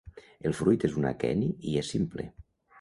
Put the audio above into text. El fruit és un aqueni i és simple.